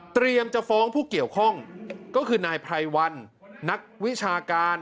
จะฟ้องผู้เกี่ยวข้องก็คือนายไพรวันนักวิชาการ